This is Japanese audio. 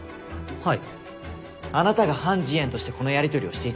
はい。